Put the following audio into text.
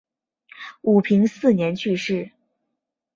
武平四年去世。